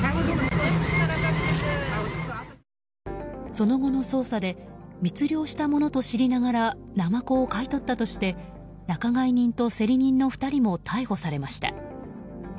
その後の捜査で密漁されたものと知りながらナマコを買い取ったとして仲買人と競り人の２人も逮捕されました。